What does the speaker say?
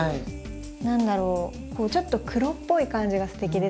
何だろうちょっと黒っぽい感じがステキですね。